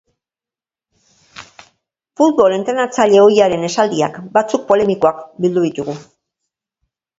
Futbol entrenatzaile ohiaren esaldiak, batzuk polemikoak, bildu ditugu.